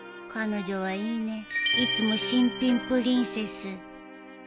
彼女はいいねいつも新品プリンセス。